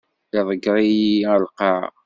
Iḍegger-iyi ar lqaɛa.